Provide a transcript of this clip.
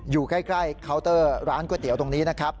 อยู่ใกล้เคาน์เตอร์ร้านก๋วยเตี๋ยวตรงนี้นะครับ